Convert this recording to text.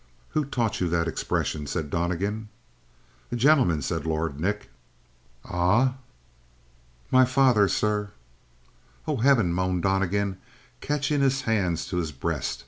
"Who taught you that expression?" said Donnegan. "A gentleman," said Lord Nick. "Ah?" "My father, sir!" "Oh, heaven," moaned Donnegan, catching his hands to his breast.